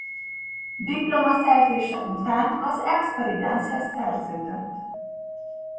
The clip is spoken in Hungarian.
Diplomaszerzése után az ExperiDance-hez szerződött.